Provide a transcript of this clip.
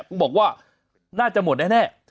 ก็บอกว่าน่าจะหมดแน่